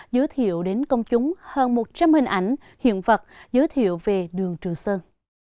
giới thiệu đến công chúng hơn một trăm linh hình ảnh hiện vật giới thiệu về đường trường sơn